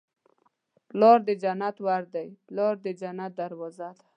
پلار د جنت ور دی. پلار د جنت دروازه ده